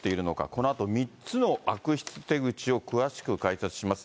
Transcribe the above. このあと３つの悪質手口を詳しく解説します。